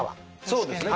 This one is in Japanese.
そうですね。